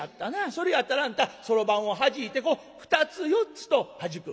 それやったらあんたそろばんをはじいてこう２つ４つとはじく」。